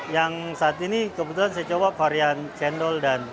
yang saat ini kebetulan saya coba varian cendol dan